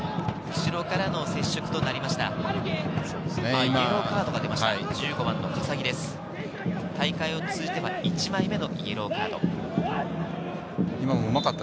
後ろからの接触となりました。